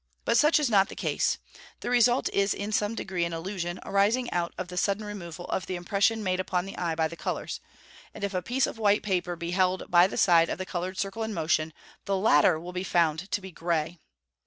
But such is not the case; the result is in some degree an illusion, arising out of the sudden removal of the impression made upon the eye by the colours; and if a piece of white paper be held by the side of the coloured circle in motion, the latter will be found to be grey.